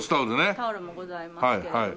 タオルもございますけれども。